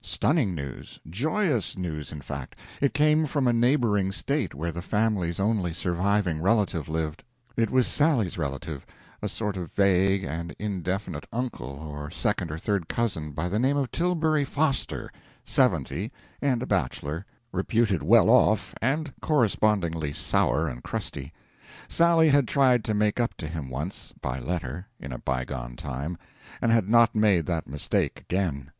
Stunning news joyous news, in fact. It came from a neighboring state, where the family's only surviving relative lived. It was Sally's relative a sort of vague and indefinite uncle or second or third cousin by the name of Tilbury Foster, seventy and a bachelor, reputed well off and corresponding sour and crusty. Sally had tried to make up to him once, by letter, in a bygone time, and had not made that mistake again.